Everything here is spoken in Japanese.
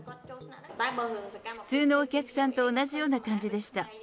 普通のお客さんと同じような感じでした。